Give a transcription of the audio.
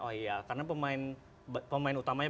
oh iya karena pemain utamanya